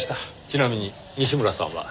ちなみに西村さんは？